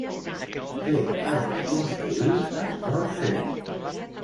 Què es va construir en honor seu?